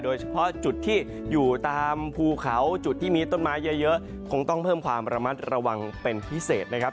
โดยเฉพาะจุดที่อยู่ตามภูเขาจุดที่มีต้นไม้เยอะคงต้องเพิ่มความระมัดระวังเป็นพิเศษนะครับ